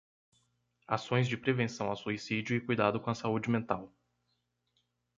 Ações de prevenção ao suicídio e cuidado com a saúde mental